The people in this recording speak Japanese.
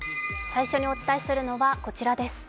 最初にお伝えするのは、こちらです